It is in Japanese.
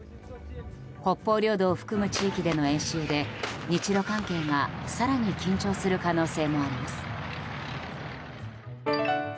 北方領土を含む地域での演習で日露関係が更に緊張する可能性もあります。